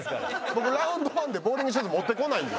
僕ラウンドワンでボウリングシューズ持ってこないんで。